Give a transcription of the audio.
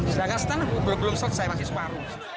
sedangkan stun belum selesai masih suaru